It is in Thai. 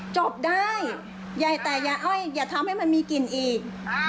จบได้ใหญ่แต่อย่าอ้อยอย่าทำให้มันมีกลิ่นอีก